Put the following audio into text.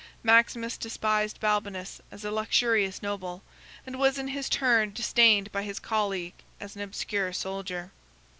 Maximus despised Balbinus as a luxurious noble, and was in his turn disdained by his colleague as an obscure soldier.